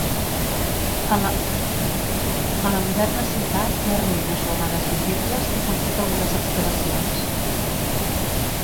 A la moderna ciutat hi ha ruïnes romanes visibles i s'han fet algunes excavacions.